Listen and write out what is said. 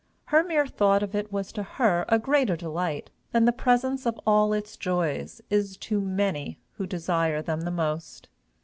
Her mere thought of it was to her a greater delight than the presence of all its joys is to many who desire them the most.